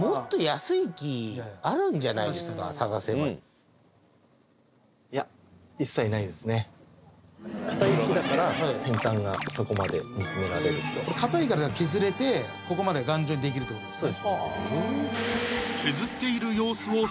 探せば硬い木だから先端がそこまで煮詰められると硬いから削れてここまで頑丈にできるということですね